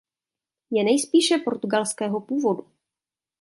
Je nejspíš portugalského původu.